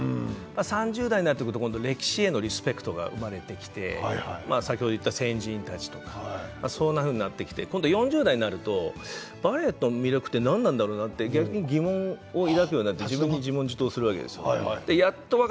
３０代になってくると今度歴史へのリスペクトが生まれてきて先ほど言った先人たちとかそんなふうになってきて今度４０代になるとバレエの魅力って何なんだろうなって逆に疑問を抱くようになって自分に自問自答するんですよ。